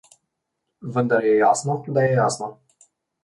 Vendar je jasno, da je jasno.